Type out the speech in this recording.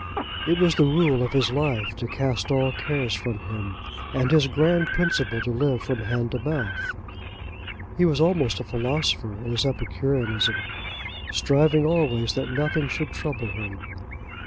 It was the rule of his life to cast all cares from him, and his grand principle to live from hand to mouth. He was almost a philosopher in his epicureanism, striving always that nothing should trouble him.